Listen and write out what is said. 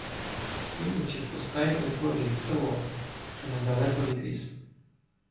Опівночі спускаємося з гори в село, що недалеко від лісу.